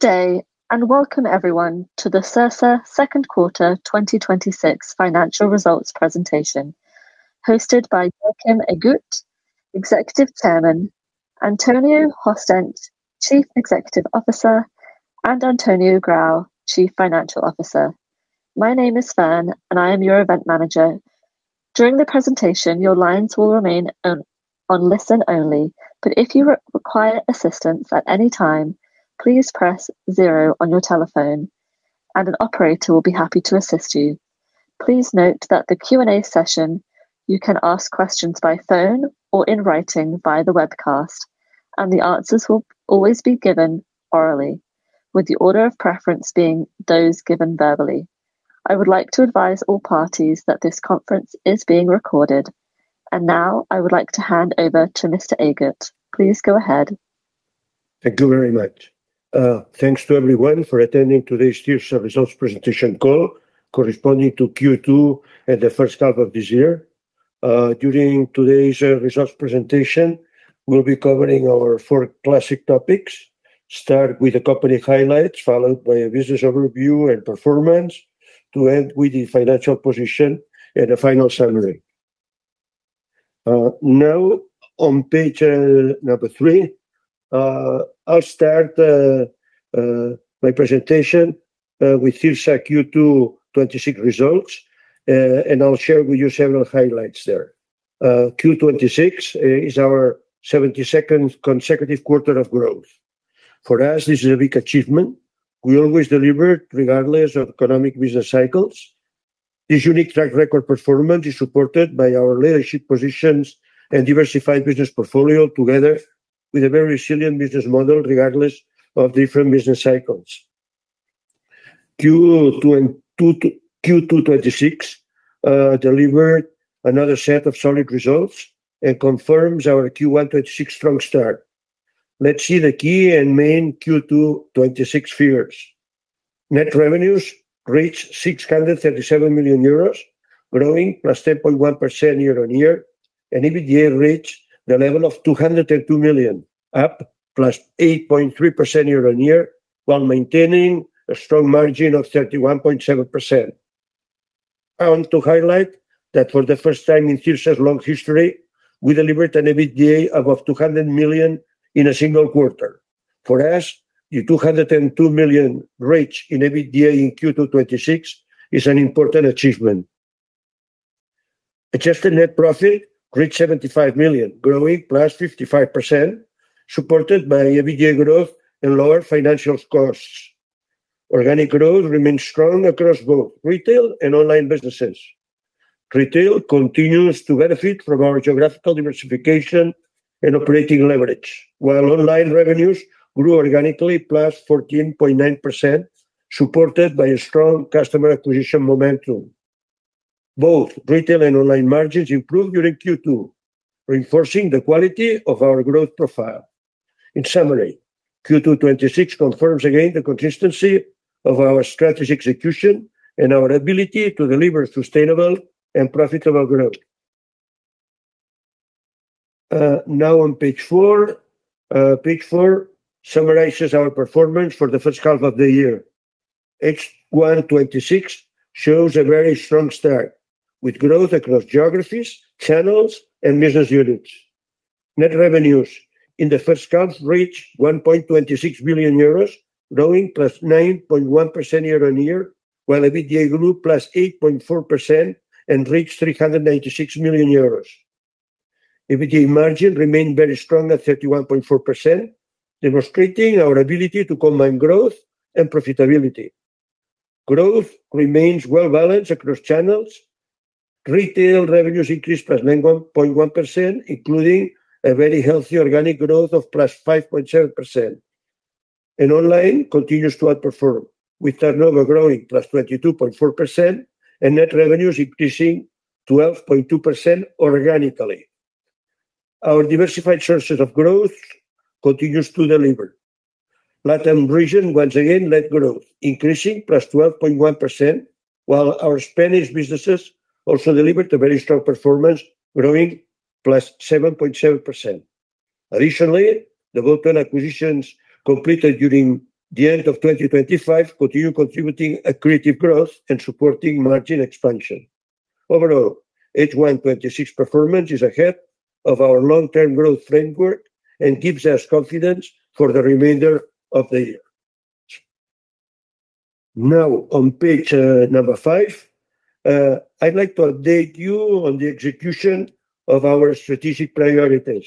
Good day. Welcome everyone to the Cirsa second quarter 2026 financial results presentation hosted by Joaquim Agut, Executive Chairman, Antonio Hostench, Chief Executive Officer, and Antonio Grau, Chief Financial Officer. My name is Fern, and I am your event manager. During the presentation, your lines will remain on listen only, but if you require assistance at any time, please press zero on your telephone and an operator will be happy to assist you. Please note that the Q&A session, you can ask questions by phone or in writing via the webcast, and the answers will always be given orally, with the order of preference being those given verbally. I would like to advise all parties that this conference is being recorded. Now I would like to hand over to Mr. Agut. Please go ahead. Thank you very much. Thanks to everyone for attending today's Cirsa results presentation call corresponding to Q2 and the first half of this year. During today's results presentation, we will be covering our four classic topics. Start with the company highlights, followed by a business overview and performance, to end with the financial position and a final summary. Now on page number three, I will start my presentation with Cirsa Q2 2026 results, and I will share with you several highlights there. Q2 2026 is our 72nd consecutive quarter of growth. For us, this is a big achievement. We always deliver regardless of economic business cycles. This unique track record performance is supported by our leadership positions and diversified business portfolio, together with a very resilient business model regardless of different business cycles. Q2 2026 delivered another set of solid results and confirms our Q1 2026 strong start. Let's see the key and main Q2 2026 figures. Net revenues reached 637 million euros, growing +10.1% year-on-year. EBITDA reached the level of 202 million, up +8.3% year-on-year, while maintaining a strong margin of 31.7%. I want to highlight that for the first time in Cirsa's long history, we delivered an EBITDA above 200 million in a single quarter. For us, the 202 million reach in EBITDA in Q2 2026 is an important achievement. Adjusted net profit reached 75 million, growing +55%, supported by EBITDA growth and lower financial costs. Organic growth remains strong across both retail and online businesses. Retail continues to benefit from our geographical diversification and operating leverage, while online revenues grew organically +14.9%, supported by a strong customer acquisition momentum. Both retail and online margins improved during Q2, reinforcing the quality of our growth profile. In summary, Q2 2026 confirms again the consistency of our strategy execution and our ability to deliver sustainable and profitable growth. Now on page four. Page four summarizes our performance for the first half of the year. H1 2026 shows a very strong start with growth across geographies, channels, and business units. Net revenues in the first half reached 1.26 million euros, growing +9.1% year-on-year, while EBITDA grew +8.4% and reached 396 million euros. EBITDA margin remained very strong at 31.4%, demonstrating our ability to combine growth and profitability. Growth remains well balanced across channels. Retail revenues increased +9.1%, including a very healthy organic growth of +5.7%. Online continues to outperform, with turnover growing +22.4% and net revenues increasing 12.2% organically. Our diversified sources of growth continues to deliver. LatAm region once again led growth, increasing +12.1%, while our Spanish businesses also delivered a very strong performance, growing +7.7%. Additionally, the bolt-on acquisitions completed during the end of 2025 continue contributing accretive growth and supporting margin expansion. Overall, H1 2026 performance is ahead of our long-term growth framework and gives us confidence for the remainder of the year. On page five, I'd like to update you on the execution of our strategic priorities.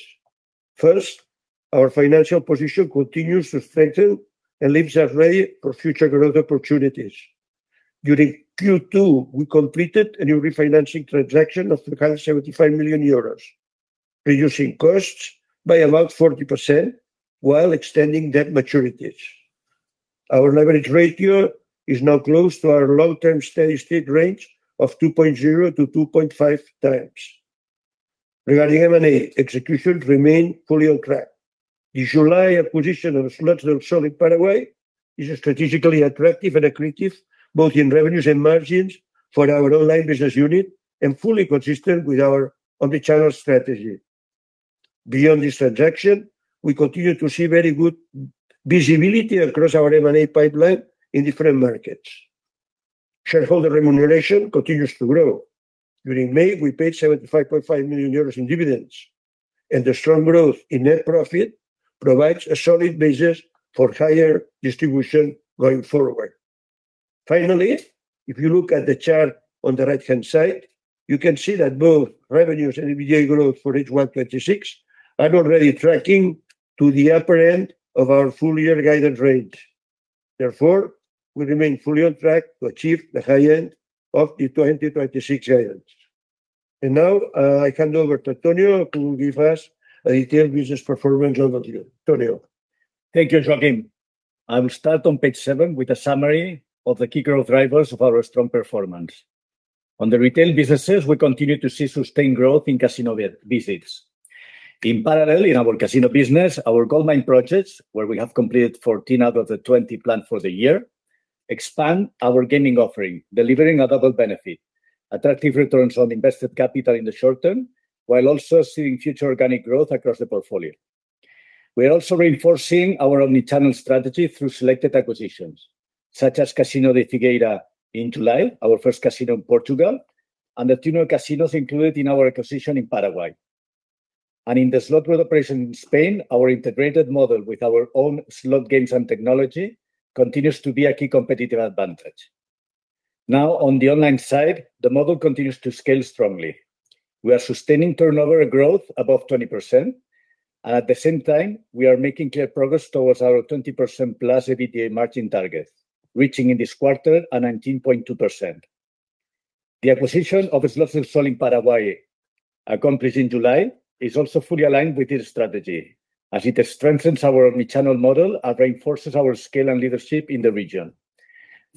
Our financial position continues to strengthen and leaves us ready for future growth opportunities. During Q2, we completed a new refinancing transaction of 375 million euros, reducing costs by about 40% while extending debt maturities. Our leverage ratio is now close to our long-term steady-state range of 2.0x-2.5x. Regarding M&A, execution remain fully on track. The July acquisition of Slots del Sol Paraguay is strategically attractive and accretive, both in revenues and margins for our online business unit and fully consistent with our omni-channel strategy. Beyond this transaction, we continue to see very good visibility across our M&A pipeline in different markets. Shareholder remuneration continues to grow. During May, we paid 75.5 million euros in dividends, and the strong growth in net profit provides a solid basis for higher distribution going forward. If you look at the chart on the right-hand side, you can see that both revenues and EBITDA growth for H1 2026 are already tracking to the upper end of our full-year guidance range. Therefore, we remain fully on track to achieve the high end of the 2026 guidance. I hand over to Antonio who will give us a detailed business performance overview. Antonio? Thank you, Joaquim. I will start on page seven with a summary of the key growth drivers of our strong performance. On the retail businesses, we continue to see sustained growth in casino visits. In parallel, in our casino business, our goldmine projects, where we have completed 14 out of the 20 planned for the year, expand our gaming offering, delivering a double benefit, attractive returns on invested capital in the short term, while also seeing future organic growth across the portfolio. We are also reinforcing our omnichannel strategy through selected acquisitions such as Casino Figueira in July, our first casino in Portugal, and the two new casinos included in our acquisition in Paraguay. In the slot hall operation in Spain, our integrated model with our own slot games and technology continues to be a key competitive advantage. On the online side, the model continues to scale strongly. We are sustaining turnover growth above 20%. At the same time, we are making clear progress towards our 20%+ EBITDA margin target, reaching in this quarter, a 19.2%. The acquisition of Slots del Sol in Paraguay, accomplished in July, is also fully aligned with this strategy as it strengthens our omni-channel model and reinforces our scale and leadership in the region.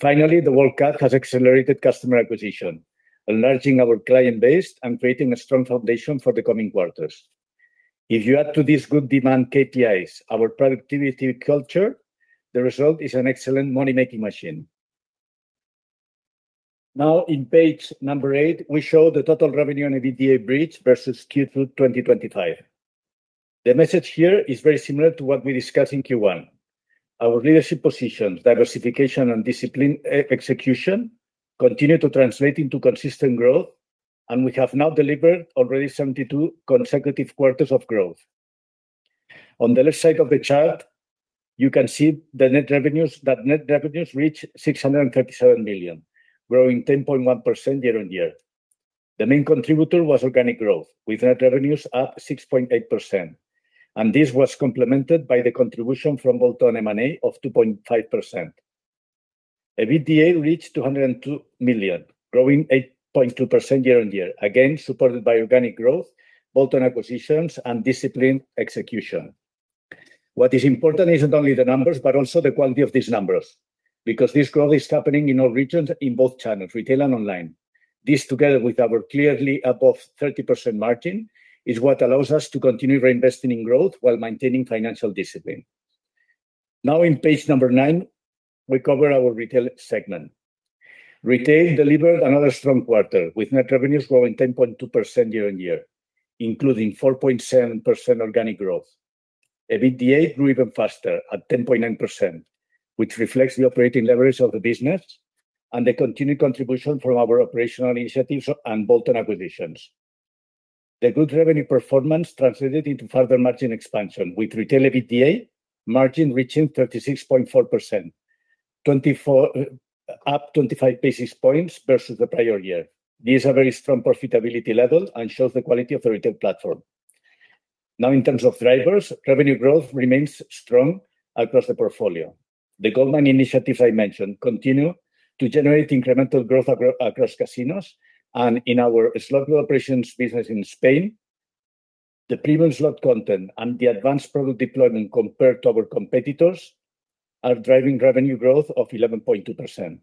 The World Cup has accelerated customer acquisition, enlarging our client base and creating a strong foundation for the coming quarters. If you add to these good demand KPIs, our productivity culture, the result is an excellent money-making machine. In page eight, we show the total revenue and EBITDA bridge versus Q2 2025. The message here is very similar to what we discussed in Q1. Our leadership positions, diversification, and discipline execution continue to translate into consistent growth. We have now delivered already 72 consecutive quarters of growth. On the left side of the chart, you can see that net revenues reach 637 million, growing 10.1% year-on-year. The main contributor was organic growth, with net revenues up 6.8%. This was complemented by the contribution from bolt-on M&A of 2.5%. EBITDA reached 202 million, growing 8.2% year-on-year, again supported by organic growth, bolt-on acquisitions, and disciplined execution. What is important isn't only the numbers, but also the quality of these numbers, because this growth is happening in all regions, in both channels, retail and online. This, together with our clearly above 30% margin, is what allows us to continue reinvesting in growth while maintaining financial discipline. In page nine, we cover our retail segment. Retail delivered another strong quarter with net revenues growing 10.2% year-on-year, including 4.7% organic growth. EBITDA grew even faster at 10.9%, which reflects the operating leverage of the business and the continued contribution from our operational initiatives and bolt-on acquisitions. The good revenue performance translated into further margin expansion, with retail EBITDA margin reaching 36.4%, up 25 basis points versus the prior year. These are very strong profitability levels and shows the quality of the retail platform. In terms of drivers, revenue growth remains strong across the portfolio. The goldmine initiatives I mentioned continue to generate incremental growth across casinos and in our Slots hall operation business in Spain. The premium slot content and the advanced product deployment compared to our competitors are driving revenue growth of 11.2%.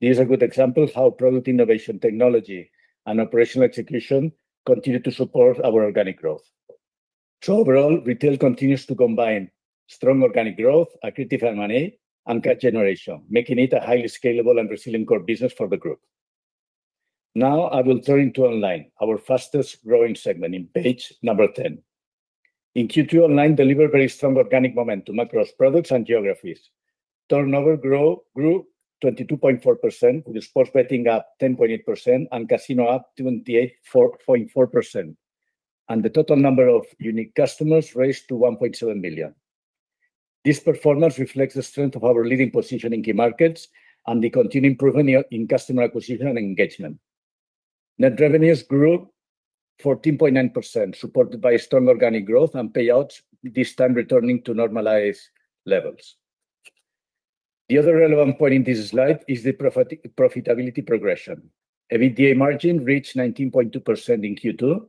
These are good examples how product innovation, technology and operational execution continue to support our organic growth. Overall, retail continues to combine strong organic growth, accretive M&A, and cash generation, making it a highly scalable and resilient core business for the group. I will turn to online, our fastest-growing segment, in page 10. In Q2, online delivered very strong organic momentum across products and geographies. Turnover grew 22.4%, with sports betting up 10.8% and casino up 28.4%. The total number of unique customers raised to 1.7 million. This performance reflects the strength of our leading position in key markets and the continued improvement in customer acquisition and engagement. Net revenues grew 14.9%, supported by strong organic growth and payouts, this time returning to normalized levels. The other relevant point in this slide is the profitability progression. EBITDA margin reached 19.2% in Q2,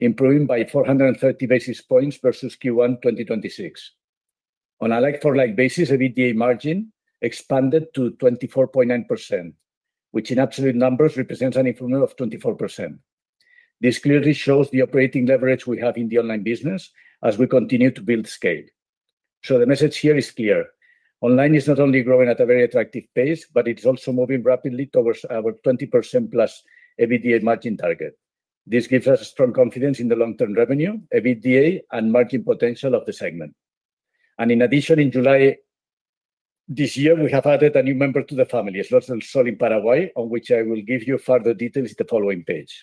improving by 430 basis points versus Q1 2026. On a like-for-like basis, EBITDA margin expanded to 24.9%, which in absolute numbers represents an improvement of 24%. This clearly shows the operating leverage we have in the online business as we continue to build scale. The message here is clear. Online is not only growing at a very attractive pace, but it's also moving rapidly towards our 20%+ EBITDA margin target. This gives us strong confidence in the long-term revenue, EBITDA, and margin potential of the segment. In addition, in July this year, we have added a new member to the family, Slots del Sol in Paraguay, on which I will give you further details in the following page.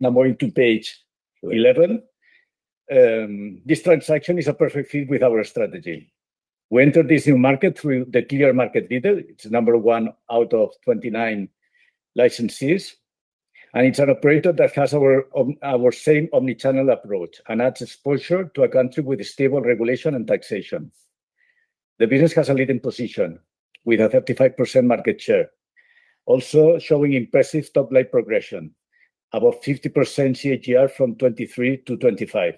Moving to page 11. This transaction is a perfect fit with our strategy. We entered this new market through the clear market leader. It's number one out of 29 licensees, and it's an operator that has our same omni-channel approach and adds exposure to a country with a stable regulation and taxation. The business has a leading position with a 35% market share, also showing impressive top-line progression, about 50% CAGR from 2023 to 2025,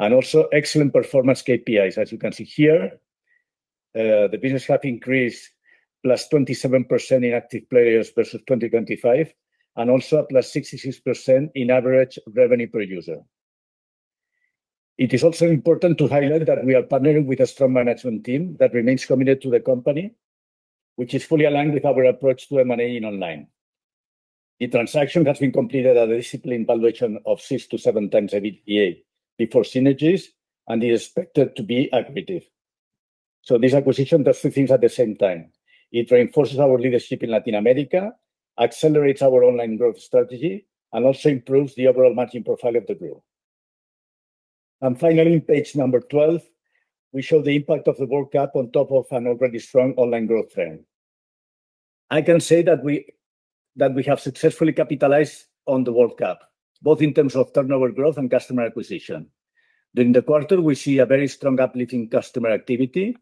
and also excellent performance KPIs. As you can see here, the business have increased +27% in active players versus 2025, and also +66% in average revenue per user. It is also important to highlight that we are partnering with a strong management team that remains committed to the company, which is fully aligned with our approach to M&A in Online. The transaction has been completed at a disciplined valuation of 6x-7x EBITDA before synergies and is expected to be accretive. This acquisition does two things at the same time. It reinforces our leadership in Latin America, accelerates our online growth strategy, and also improves the overall margin profile of the group. Finally, page number 12, we show the impact of the World Cup on top of an already strong online growth trend. I can say that we have successfully capitalized on the World Cup, both in terms of turnover growth and customer acquisition. During the quarter, we see a very strong uplift in customer activity,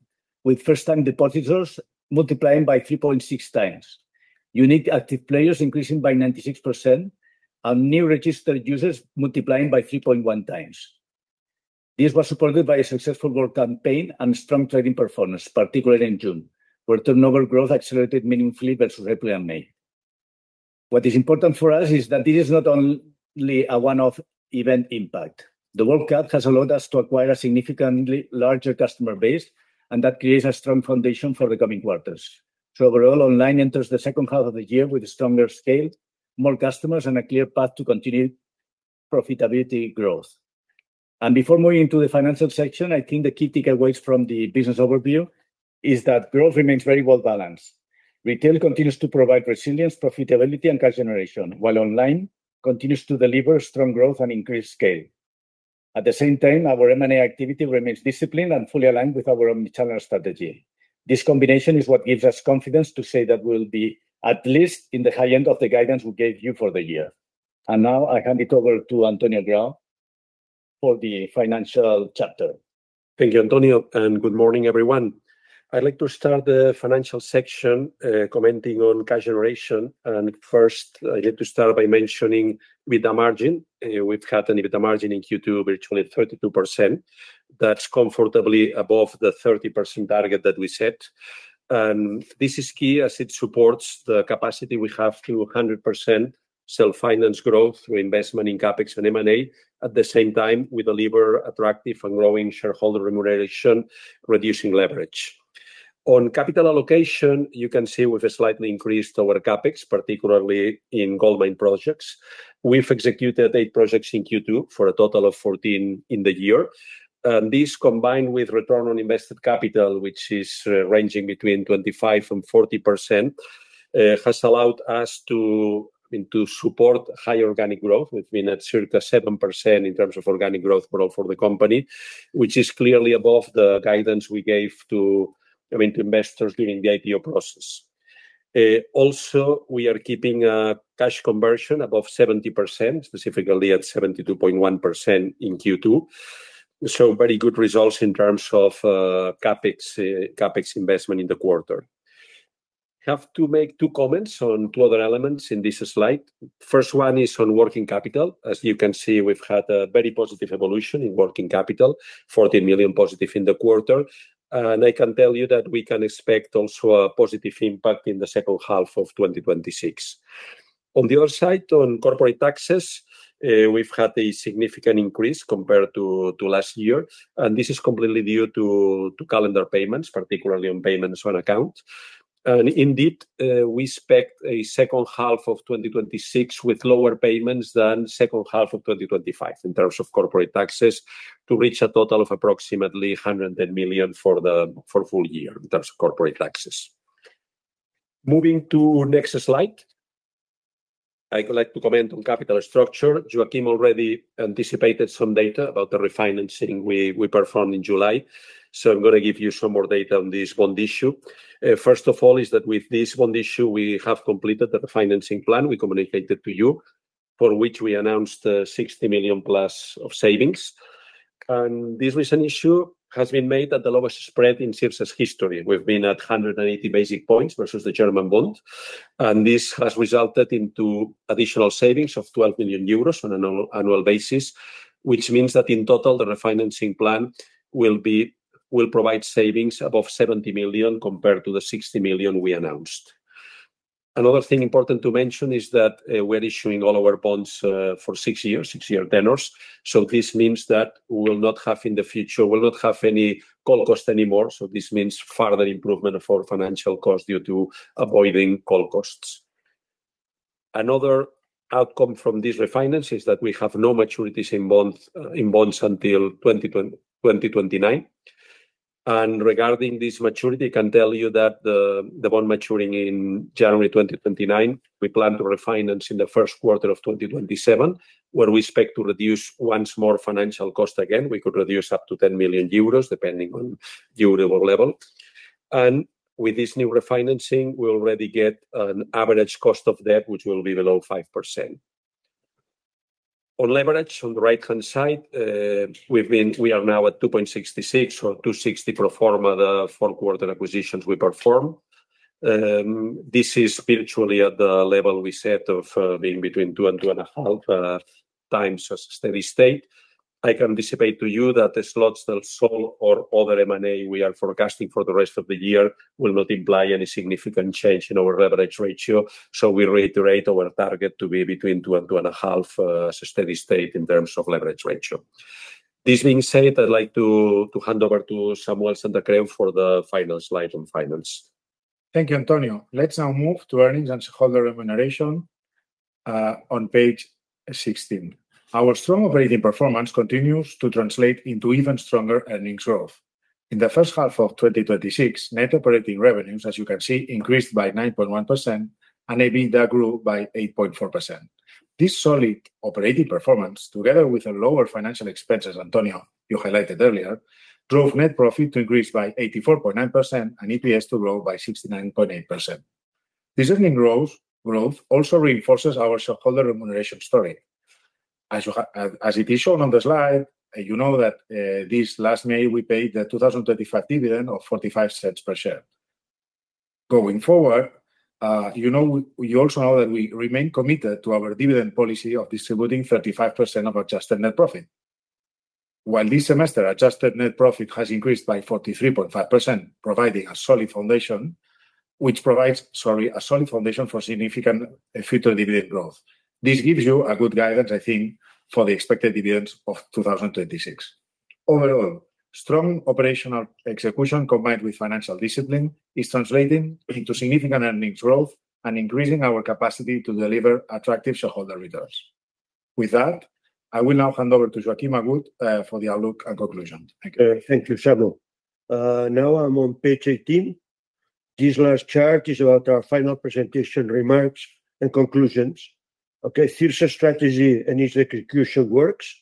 with first-time depositors multiplying by 3.6x, unique active players increasing by 96%, and new registered users multiplying by 3.1x. This was supported by a successful World Cup campaign and strong trading performance, particularly in June, where turnover growth accelerated meaningfully versus April and May. What is important for us is that this is not only a one-off event impact. The World Cup has allowed us to acquire a significantly larger customer base, and that creates a strong foundation for the coming quarters. Overall, Online enters the second half of the year with a stronger scale, more customers, and a clear path to continued profitability growth. Before moving to the financial section, I think the key takeaways from the business overview is that growth remains very well-balanced. Retail continues to provide resilience, profitability, and cash generation, while Online continues to deliver strong growth and increased scale. At the same time, our M&A activity remains disciplined and fully aligned with our omni-channel strategy. This combination is what gives us confidence to say that we'll be at least in the high end of the guidance we gave you for the year. Now I hand it over to Antonio Grau for the financial chapter. Thank you, Antonio, good morning, everyone. I'd like to start the financial section, commenting on cash generation. First, I need to start by mentioning EBITDA margin. We've had an EBITDA margin in Q2 of 32%. That's comfortably above the 30% target that we set. This is key as it supports the capacity we have to 100% self-finance growth through investment in CapEx and M&A. At the same time, we deliver attractive and growing shareholder remuneration, reducing leverage. On capital allocation, you can see we've slightly increased our CapEx, particularly in goldmine projects. We've executed eight projects in Q2 for a total of 14 in the year. This, combined with return on invested capital, which is ranging between 25% and 40%, has allowed us to support high organic growth. We've been at circa 7% in terms of organic growth for the company, which is clearly above the guidance we gave to investors during the IPO process. We are keeping cash conversion above 70%, specifically at 72.1% in Q2. Very good results in terms of CapEx investment in the quarter. Have to make two comments on two other elements in this slide. First one is on working capital. As you can see, we've had a very positive evolution in working capital, 40 million+ in the quarter. I can tell you that we can expect also a positive impact in the second half of 2026. On the other side, on corporate taxes, we've had a significant increase compared to last year. This is completely due to calendar payments, particularly on payments on account. Indeed, we expect a second half of 2026 with lower payments than second half of 2025 in terms of corporate taxes to reach a total of approximately 110 million for full year in terms of corporate taxes. Moving to next slide. I'd like to comment on capital structure. Joaquim already anticipated some data about the refinancing we performed in July. I'm going to give you some more data on this bond issue. First of all, with this bond issue, we have completed the refinancing plan we communicated to you, for which we announced 60 million+ of savings. This recent issue has been made at the lowest spread in Cirsa's history. We've been at 180 basis points versus the German bond. This has resulted into additional savings of 12 million euros on an annual basis, which means that in total, the refinancing plan will provide savings above 70 million compared to the 60 million we announced. Another thing important to mention is that we're issuing all our bonds for six years, six-year tenors. This means that we'll not have in the future, any call cost anymore. This means further improvement for financial cost due to avoiding call costs. Another outcome from this refinance is that we have no maturities in bonds until 2029. Regarding this maturity, I can tell you that the bond maturing in January 2029, we plan to refinance in the first quarter of 2027, where we expect to reduce once more financial cost again. We could reduce up to 10 million euros depending on euro level. With this new refinancing, we already get an average cost of debt, which will be below 5%. On leverage, on the right-hand side, we are now at 2.66x or 2.60x pro forma, the fourth quarter acquisitions we performed. This is virtually at the level we set of being between 2x and 2.5x steady state. I can anticipate to you that the Slots del Sol or other M&A we are forecasting for the rest of the year will not imply any significant change in our leverage ratio. We reiterate our target to be between 2x and 2.5x steady state in terms of leverage ratio. This being said, I'd like to hand over to Samuel Santacreu for the final slide on finance. Thank you, Antonio. Let's move to earnings and shareholder remuneration, on page 16. Our strong operating performance continues to translate into even stronger earnings growth. In the first half of 2026, net operating revenues, as you can see, increased by 9.1%, and EBITDA grew by 8.4%. This solid operating performance, together with lower financial expenses, Antonio, you highlighted earlier, drove net profit to increase by 84.9% and EPS to grow by 69.8%. This earning growth also reinforces our shareholder remuneration story. As it is shown on the slide, you know that this last May, we paid the 2025 dividend of 0.45 per share. Going forward, you also know that we remain committed to our dividend policy of distributing 35% of adjusted net profit. While this semester adjusted net profit has increased by 43.5%, providing a solid foundation, which provides, sorry, a solid foundation for significant future dividend growth. This gives you a good guidance, I think, for the expected dividends of 2026. Overall, strong operational execution combined with financial discipline is translating into significant earnings growth and increasing our capacity to deliver attractive shareholder returns. With that, I will now hand over to Joaquim Agut for the outlook and conclusions. Thank you. Thank you, Samuel. I'm on page 18. This last chart is about our final presentation remarks and conclusions. Okay, Cirsa strategy and its execution works,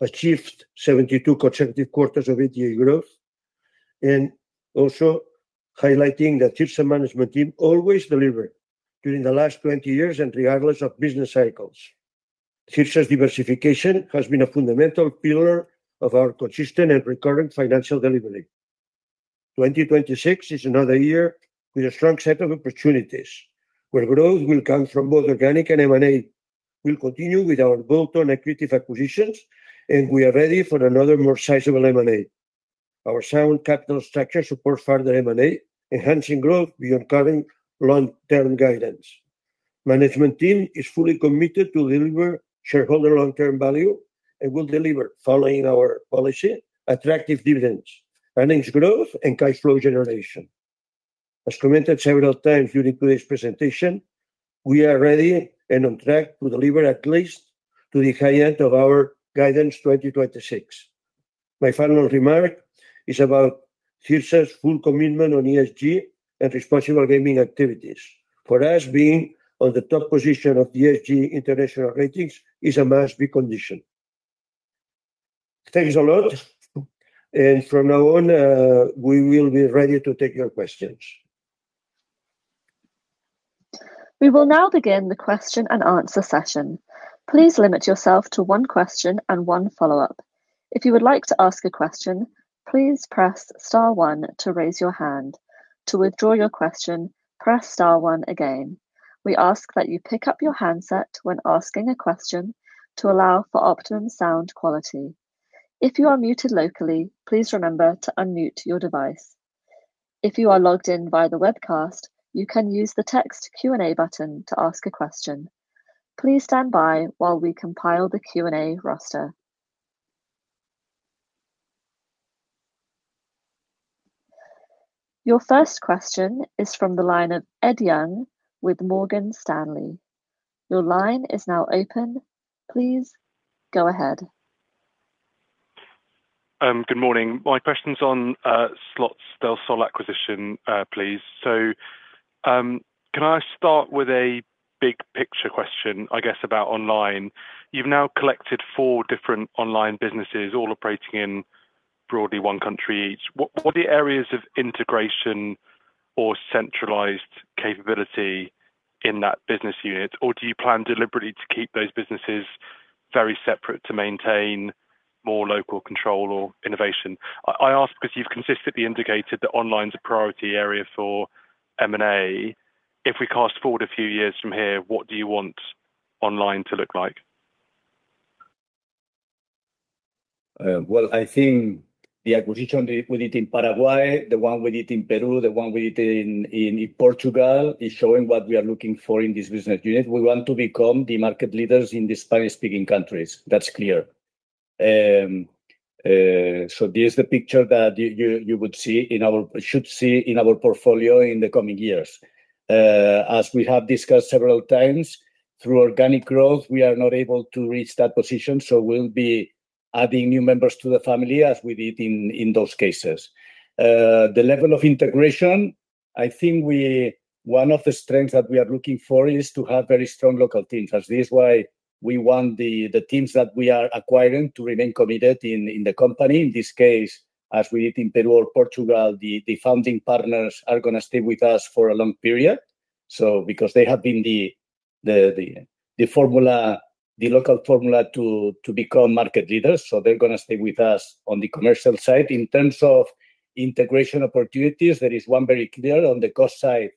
achieved 72 consecutive quarters of EBITDA growth, and also highlighting that Cirsa management team always delivered during the last 20 years and regardless of business cycles. Cirsa's diversification has been a fundamental pillar of our consistent and recurring financial delivery. 2026 is another year with a strong set of opportunities, where growth will come from both organic and M&A, will continue with our bolt-on accretive acquisitions, and we are ready for another more sizable M&A. Our sound capital structure supports further M&A, enhancing growth beyond current long-term guidance. Management team is fully committed to deliver shareholder long-term value and will deliver, following our policy, attractive dividends, earnings growth, and cash flow generation. As commented several times during today's presentation, we are ready and on track to deliver at least to the high end of our guidance 2026. My final remark is about Cirsa's full commitment on ESG and responsible gaming activities. For us, being on the top position of the ESG international ratings is a must-be condition. Thanks a lot. From now on, we will be ready to take your questions. We will now begin the question-and-answer session. Please limit yourself to one question and one follow-up. If you would like to ask a question, please press star one to raise your hand. To withdraw your question, press star one again. We ask that you pick up your handset when asking a question to allow for optimum sound quality. If you are muted locally, please remember to unmute your device. If you are logged in via the webcast, you can use the text Q&A button to ask a question. Please stand by while we compile the Q&A roster. Your first question is from the line of Ed Young with Morgan Stanley. Your line is now open. Please go ahead. Good morning. My question's on Slots del Sol acquisition, please. Can I start with a big picture question, I guess, about online? You've now collected four different online businesses all operating in broadly one country each. What are the areas of integration or centralized capability in that business unit? Do you plan deliberately to keep those businesses very separate to maintain more local control or innovation? I ask because you've consistently indicated that online's a priority area for M&A. If we fast-forward a few years from here, what do you want online to look like? Well, I think the acquisition we did in Paraguay, the one we did in Peru, the one we did in Portugal, is showing what we are looking for in this business unit. We want to become the market leaders in the Spanish-speaking countries. That's clear. This is the picture that you should see in our portfolio in the coming years. As we have discussed several times, through organic growth, we are not able to reach that position. We'll be adding new members to the family, as we did in those cases. The level of integration, I think one of the strengths that we are looking for is to have very strong local teams, as this is why we want the teams that we are acquiring to remain committed in the company. In this case as we did in Peru or Portugal, the founding partners are going to stay with us for a long period, because they have been the local formula to become market leaders, so they're going to stay with us on the commercial side. In terms of integration opportunities, there is one very clear on the cost side.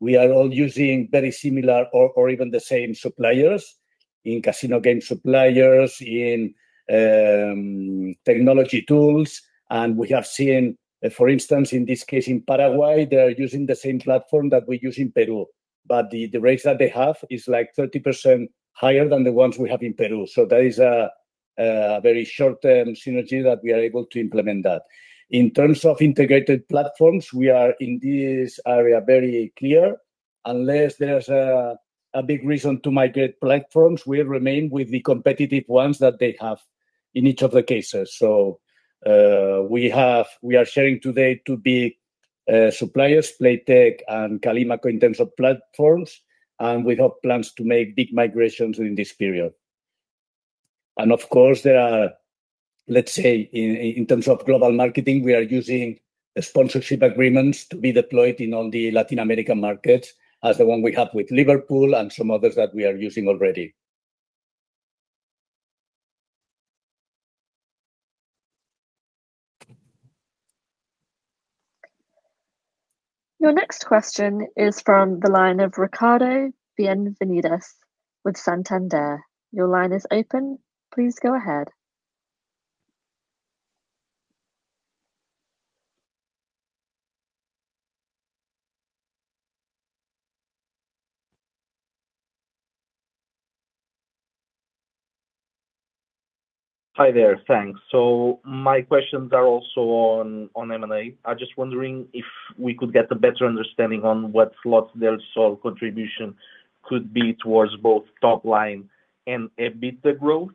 We are all using very similar or even the same suppliers. In casino game suppliers, in technology tools, and we have seen, for instance, in this case, in Paraguay, they are using the same platform that we use in Peru. The rates that they have is 30% higher than the ones we have in Peru. That is a very short-term synergy that we are able to implement that. In terms of integrated platforms, we are, in this area, very clear. Unless there's a big reason to migrate platforms, we remain with the competitive ones that they have in each of the cases. We are sharing today two big suppliers, Playtech and [Kalamba] in terms of platforms, and we have plans to make big migrations in this period. Of course, there are, let's say, in terms of global marketing, we are using sponsorship agreements to be deployed in all the Latin American markets, as the one we have with Liverpool and some others that we are using already. Your next question is from the line of Ricardo Benevides with Santander. Your line is open. Please go ahead. Hi there. Thanks. My questions are also on M&A. I'm just wondering if we could get a better understanding on what Slots del Sol contribution could be towards both top line and EBITDA growth.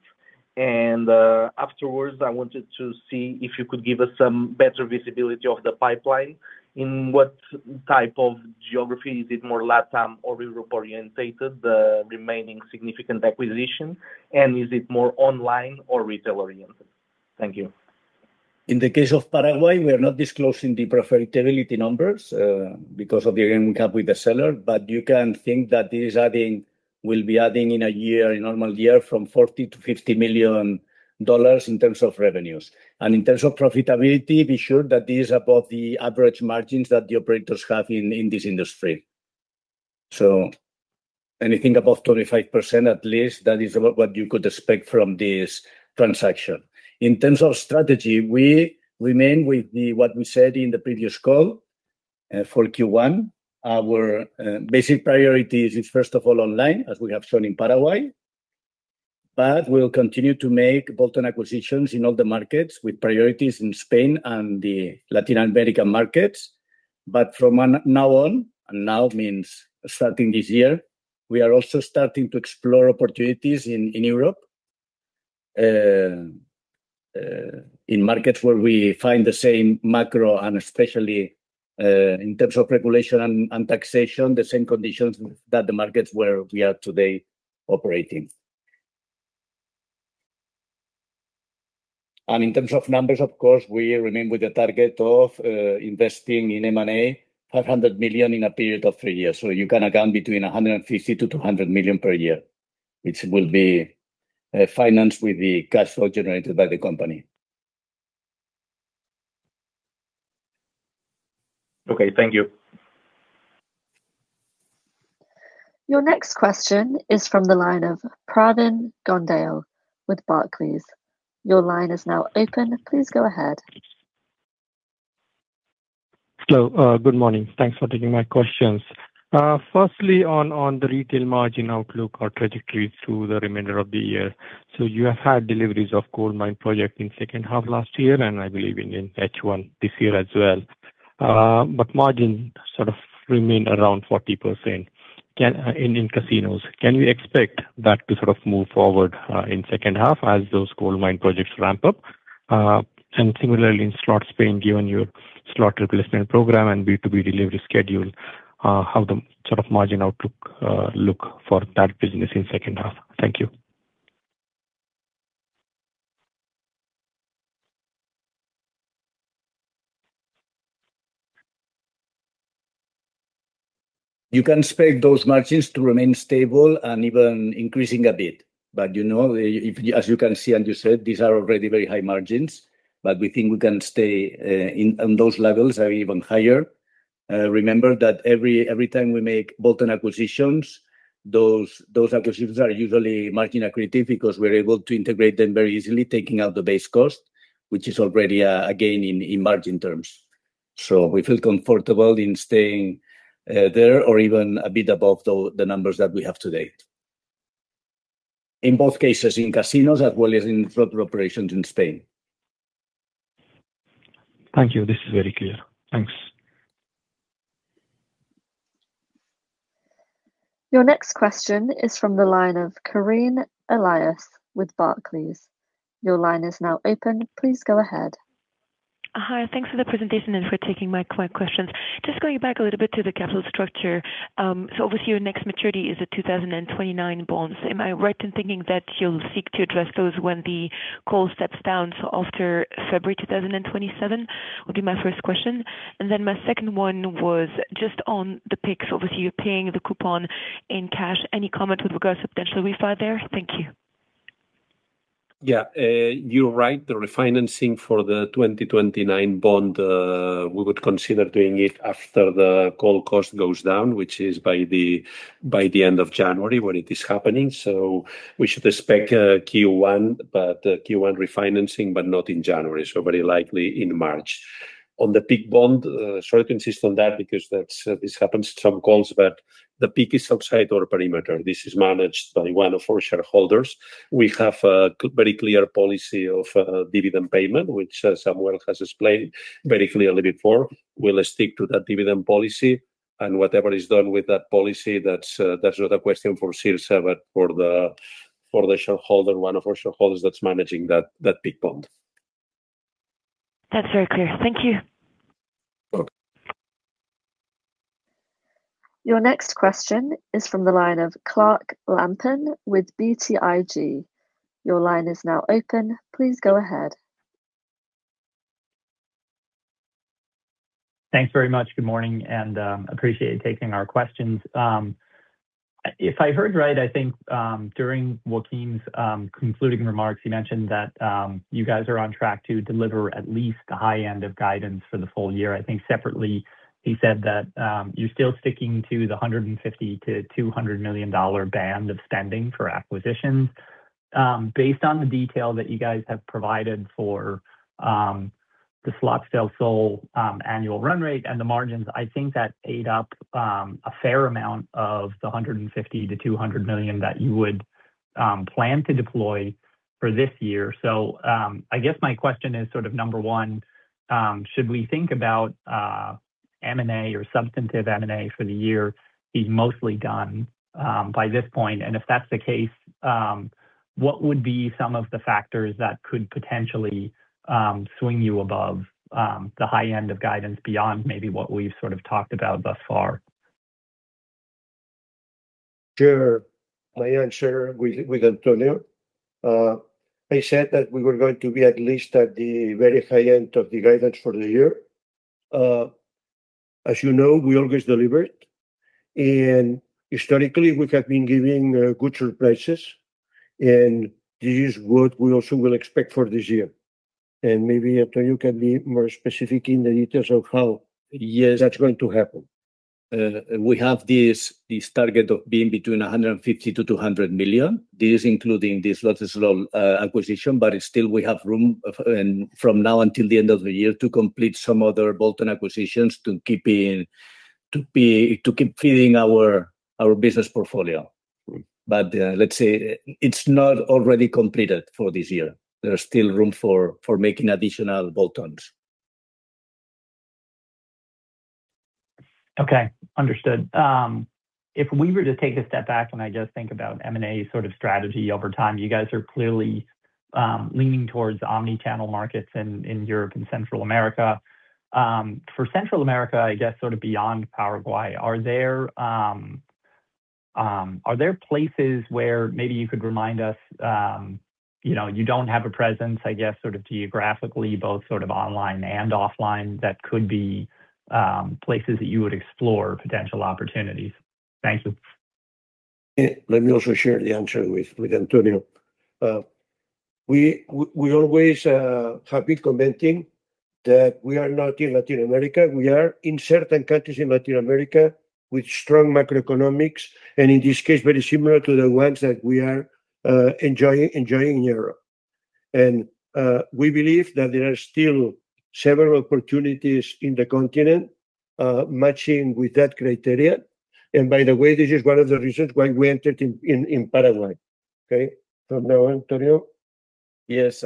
Afterwards, I wanted to see if you could give us some better visibility of the pipeline. In what type of geography? Is it more LatAm or Europe-oriented, the remaining significant acquisition? And is it more online or retail oriented? Thank you. In the case of Paraguay, we are not disclosing the profitability numbers because of the agreement we have with the seller. You can think that this will be adding, in a normal year, from $40 million-$50 million in terms of revenues. In terms of profitability, be sure that this is above the average margins that the operators have in this industry. Anything above 35%, at least, that is what you could expect from this transaction. In terms of strategy, we remain with what we said in the previous call, for Q1. Our basic priority is, first of all, online, as we have shown in Paraguay, but we'll continue to make bolt-on acquisitions in all the markets, with priorities in Spain and the Latin American markets. From now on, and now means starting this year, we are also starting to explore opportunities in Europe. In markets where we find the same macro and especially, in terms of regulation and taxation, the same conditions that the markets where we are today operating. In terms of numbers, of course, we remain with the target of investing in M&A $500 million in a period of three years. You can account between $150 million-$200 million per year, which will be financed with the cash flow generated by the company. Okay. Thank you. Your next question is from the line of Pravin Gondhale with Barclays. Your line is now open. Please go ahead. Hello. Good morning. Thanks for taking my questions. Firstly, on the retail margin outlook or trajectory through the remainder of the year. You have had deliveries of goldmine project in second half last year, and I believe in H1 this year as well. Margin sort of remain around 40% in casinos. Can we expect that to move forward in second half as those goldmine projects ramp up? Similarly, in Slots Spain, given your slot replacement program and B2B delivery schedule, how the sort of margin outlook look for that business in second half? Thank you. You can expect those margins to remain stable and even increasing a bit. As you can see, and you said, these are already very high margins, but we think we can stay on those levels or even higher. Remember that every time we make bolt-on acquisitions, those acquisitions are usually margin accretive because we are able to integrate them very easily, taking out the base cost, which is already a gain in margin terms. We feel comfortable in staying there or even a bit above the numbers that we have to date. In both cases, in casinos as well as in slot operations in Spain. Thank you. This is very clear. Thanks. Your next question is from the line of Karine Elias with Barclays. Your line is now open. Please go ahead. Hi. Thanks for the presentation and for taking my questions. Just going back a little bit to the capital structure. Obviously your next maturity is the 2029 bonds. Am I right in thinking that you'll seek to address those when the call steps down, after February 2027? Would be my first question. My second one was just on the PIK. Obviously you're paying the coupon in cash. Any comment with regard to potential refi there? Thank you. Yeah. You're right. The refinancing for the 2029 bond, we would consider doing it after the call cost goes down, which is by the end of January when it is happening. We should expect Q1 refinancing, but not in January, very likely in March. On the PIK bond, sorry to insist on that because this happens at some calls, but the PIK is outside our perimeter. This is managed by one of our shareholders. We have a very clear policy of dividend payment, which Samuel has explained very clearly before. We'll stick to that dividend policy. Whatever is done with that policy, that's not a question for Cirsa, but for one of our shareholders that's managing that PIK bond. That's very clear. Thank you. Okay. Your next question is from the line of Clark Lampen with BTIG. Your line is now open. Please go ahead. Thanks very much. Good morning. Appreciate you taking our questions. If I heard right, I think during Joaquim's concluding remarks, he mentioned that you guys are on track to deliver at least the high end of guidance for the full year. I think separately he said that you're still sticking to the $150 million-$200 million band of spending for acquisitions. Based on the detail that you guys have provided for the Slots del Sol annual run rate and the margins, I think that ate up a fair amount of the $150 million-$200 million that you would plan to deploy for this year. I guess my question is number one, should we think about M&A or substantive M&A for the year is mostly done by this point? If that's the case, what would be some of the factors that could potentially swing you above the high end of guidance beyond maybe what we've sort of talked about thus far? Sure. My answer with Antonio. I said that we were going to be at least at the very high end of the guidance for the year. As you know, we always deliver, and historically we have been giving good surprises, and this is what we also will expect for this year. Maybe Antonio can be more specific in the details of how- Yes. ...that's going to happen. We have this target of being between $150 million-$200 million. This is including the Slots del Sol acquisition, still we have room from now until the end of the year to complete some other bolt-on acquisitions to keep feeding our business portfolio. Let's say it's not already completed for this year. There's still room for making additional bolt-ons. Okay. Understood. If we were to take a step back, I just think about M&A sort of strategy over time, you guys are clearly leaning towards omnichannel markets in Europe and Central America. For Central America, I guess sort of beyond Paraguay, are there places where maybe you could remind us, you don't have a presence, I guess geographically, both online and offline, that could be places that you would explore potential opportunities? Thank you. Let me also share the answer with Antonio. We always have been commenting that we are not in Latin America. We are in certain countries in Latin America with strong macroeconomics, in this case very similar to the ones that we are enjoying in Europe. We believe that there are still several opportunities in the continent matching with that criteria. By the way, this is one of the reasons why we entered in Paraguay. Okay. Now Antonio. Yes.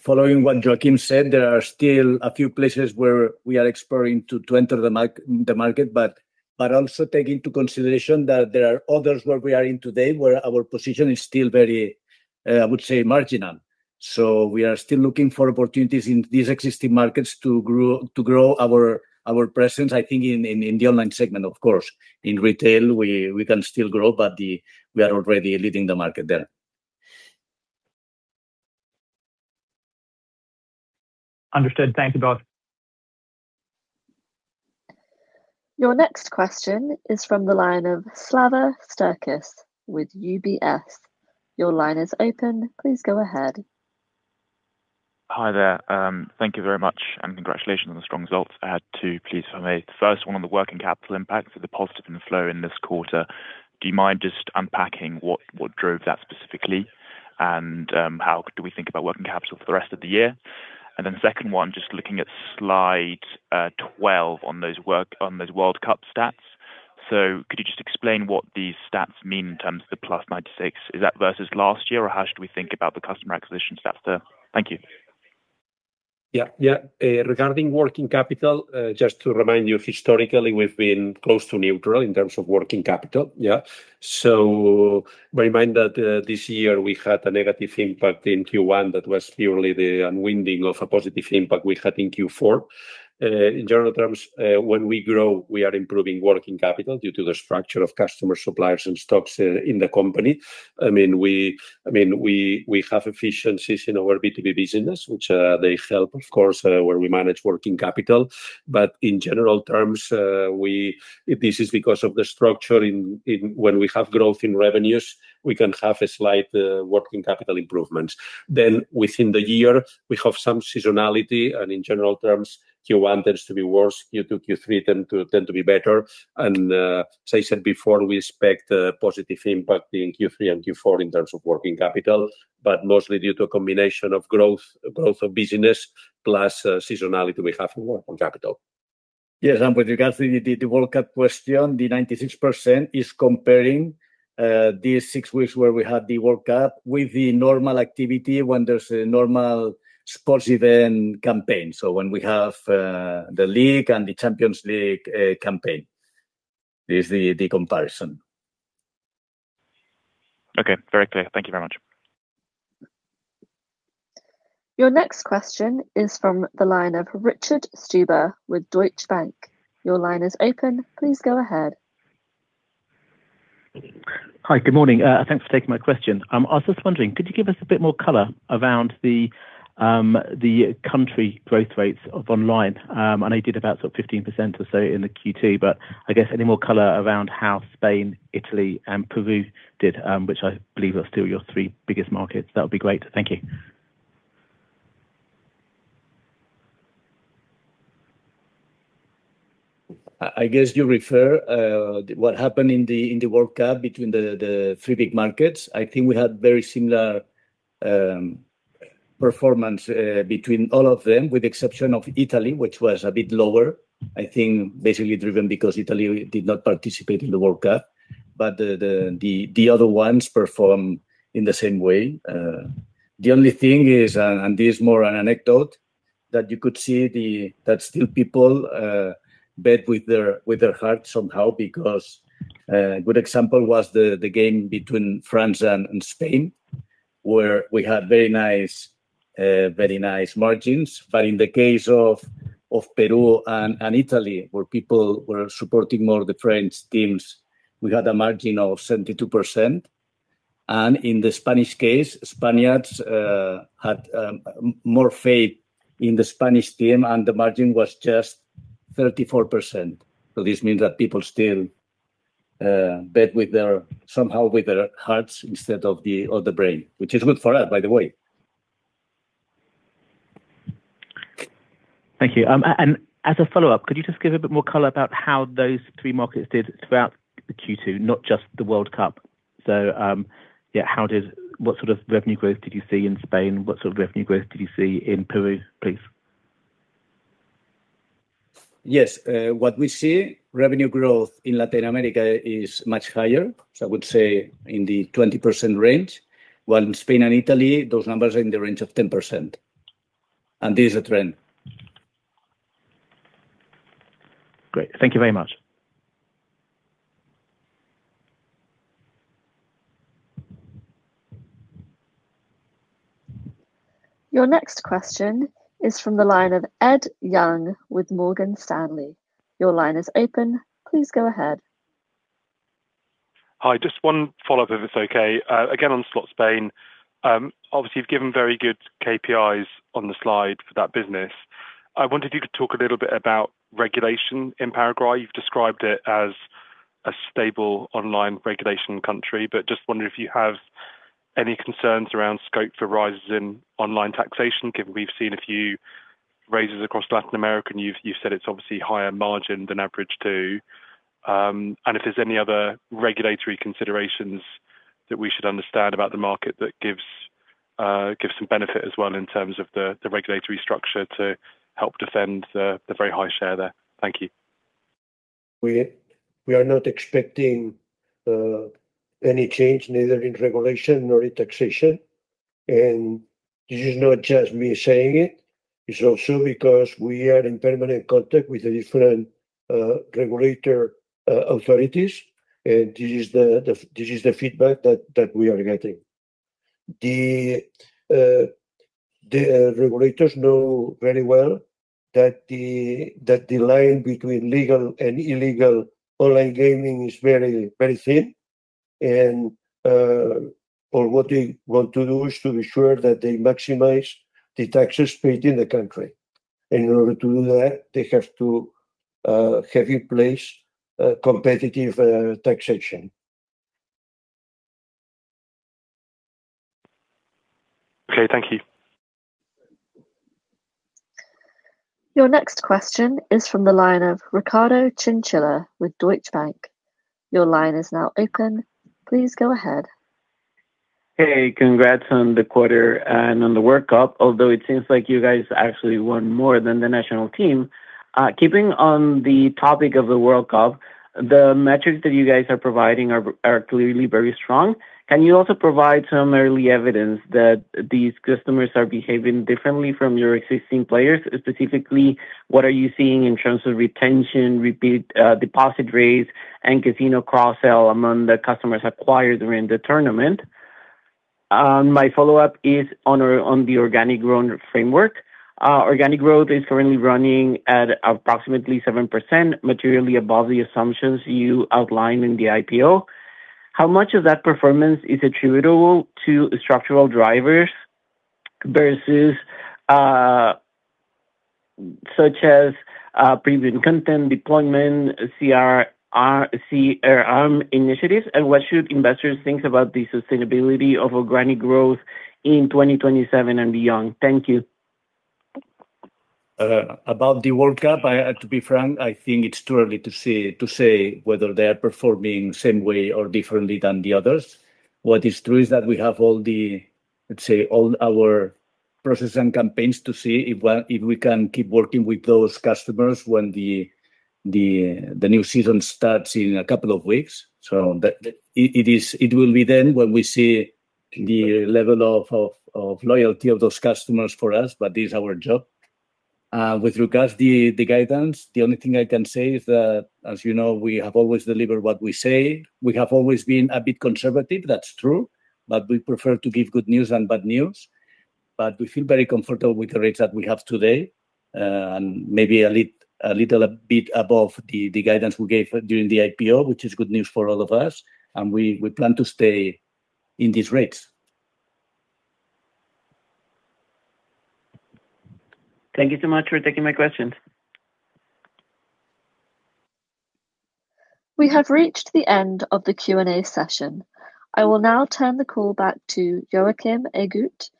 Following what Joaquim said, there are still a few places where we are exploring to enter the market, but also take into consideration that there are others where we are in today where our position is still very, I would say, marginal. We are still looking for opportunities in these existing markets to grow our presence, I think in the online segment, of course. In retail, we can still grow, but we are already leading the market there. Understood. Thank you both. Your next question is from the line of Slava Styrkas with UBS. Your line is open. Please go ahead. Hi there. Thank you very much, and congratulations on the strong results. I had two, please, for me. First one on the working capital impact for the positive inflow in this quarter. Do you mind just unpacking what drove that specifically, and how do we think about working capital for the rest of the year? Second one, just looking at slide 12 on those World Cup stats. Could you just explain what these stats mean in terms of the +96%? Is that versus last year, or how should we think about the customer acquisition stats there? Thank you. Yeah. Regarding working capital, just to remind you, historically, we have been close to neutral in terms of working capital, yeah? Bear in mind that this year we had a negative impact in Q1 that was purely the unwinding of a positive impact we had in Q4. In general terms, when we grow, we are improving working capital due to the structure of customer suppliers and stocks in the company. We have efficiencies in our B2B business, which they help, of course, where we manage working capital. In general terms, this is because of the structure in when we have growth in revenues, we can have a slight working capital improvements. Within the year, we have some seasonality, and in general terms, Q1 tends to be worse, Q2, Q3 tend to be better. As I said before, we expect a positive impact in Q3 and Q4 in terms of working capital, but mostly due to a combination of growth of business plus seasonality we have in working capital. With regards to the World Cup question, the 96% is comparing these six weeks where we had the World Cup with the normal activity when there is a normal sports event campaign. When we have The League and the Champions League campaign. This is the comparison. Okay. Very clear. Thank you very much. Your next question is from the line of Richard Stuber with Deutsche Bank. Your line is open. Please go ahead. Hi. Good morning. Thanks for taking my question. I was just wondering, could you give us a bit more color around the country growth rates of online? I know you did about 15% or so in the Q2, but I guess any more color around how Spain, Italy, and Peru did, which I believe are still your three biggest markets? That would be great. Thank you. I guess you refer what happened in the World Cup between the three big markets. I think we had very similar performance between all of them, with the exception of Italy, which was a bit lower. I think basically driven because Italy did not participate in the World Cup. The other ones perform in the same way. The only thing is, and this is more an anecdote, that you could see that still people bet with their heart somehow because, good example was the game between France and Spain, where we had very nice margins. In the case of Peru and Italy, where people were supporting more of the French teams, we had a margin of 72%. In the Spanish case, Spaniards had more faith in the Spanish team, and the margin was just 34%. This means that people still bet somehow with their hearts instead of the brain, which is good for us, by the way. Thank you. As a follow-up, could you just give a bit more color about how those three markets did throughout the Q2, not just the World Cup? Yeah, what sort of revenue growth did you see in Spain? What sort of revenue growth did you see in Peru, please? Yes. What we see, revenue growth in Latin America is much higher, so I would say in the 20% range. While in Spain and Italy, those numbers are in the range of 10%. This is a trend. Great. Thank you very much. Your next question is from the line of Ed Young with Morgan Stanley. Your line is open. Please go ahead. Hi, just one follow-up if it's okay. Again, on Slots Spain. Obviously, you've given very good KPIs on the slide for that business. I wondered if you could talk a little bit about regulation in Paraguay. You've described it as a stable online regulation country, but just wondering if you have any concerns around scope for rises in online taxation, given we've seen a few raises across Latin America, and you've said it's obviously higher margin than average too. If there's any other regulatory considerations that we should understand about the market that gives some benefit as well in terms of the regulatory structure to help defend the very high share there. Thank you. We are not expecting any change, neither in regulation nor in taxation. This is not just me saying it. It's also because we are in permanent contact with the different regulator authorities, and this is the feedback that we are getting. The regulators know very well that the line between legal and illegal online gaming is very thin, and what they want to do is to be sure that they maximize the taxes paid in the country. In order to do that, they have to have in place competitive taxation Okay, thank you. Your next question is from the line of Ricardo Chinchilla with Deutsche Bank. Your line is now open. Please go ahead. Hey, congrats on the quarter and on the World Cup, although it seems like you guys actually won more than the national team. Keeping on the topic of the World Cup, the metrics that you guys are providing are clearly very strong. Can you also provide some early evidence that these customers are behaving differently from your existing players? Specifically, what are you seeing in terms of retention, repeat deposit rates, and casino cross-sell among the customers acquired during the tournament? My follow-up is on the organic growth framework. Organic growth is currently running at approximately 7%, materially above the assumptions you outlined in the IPO. How much of that performance is attributable to structural drivers versus, such as premium content deployment, CRM initiatives, and what should investors think about the sustainability of organic growth in 2027 and beyond? Thank you. About the World Cup, to be frank, I think it is too early to say whether they are performing the same way or differently than the others. What is true is that we have all our processes and campaigns to see if we can keep working with those customers when the new season starts in a couple of weeks. It will be then when we see the level of loyalty of those customers for us, but this is our job. With regards the guidance, the only thing I can say is that, as you know, we have always delivered what we say. We have always been a bit conservative, that is true, but we prefer to give good news than bad news. We feel very comfortable with the rates that we have today, and maybe a little bit above the guidance we gave during the IPO, which is good news for all of us, and we plan to stay in these rates. Thank you so much for taking my questions. We have reached the end of the Q&A session. I will now turn the call back to Joaquim Agut,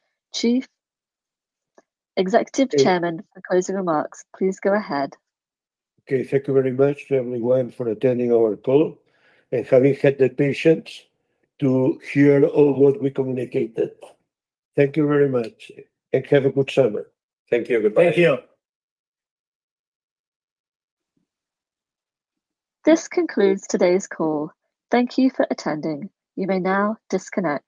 Executive Chairman, for closing remarks. Please go ahead. Okay. Thank you very much, everyone, for attending our call and having had the patience to hear all what we communicated. Thank you very much, and have a good summer. Thank you. Goodbye. Thank you. This concludes today's call. Thank you for attending. You may now disconnect.